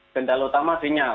kendala utama sinyal